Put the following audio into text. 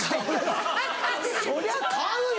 そりゃ買うよ！